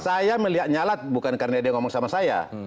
saya melihatnya lah bukan karena dia ngomong sama saya